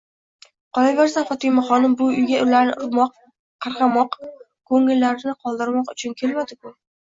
Qolaversa, Fotimaxonim bu uyga ularni urmoq, qarg'amoq, ko'ngillarini qoldirmoq uchun kelmadiku...